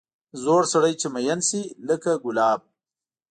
زوړ سړی چې مېن شي لکه ګلاب.